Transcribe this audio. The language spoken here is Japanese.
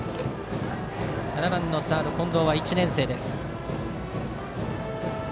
７番のサード、近藤は１年生。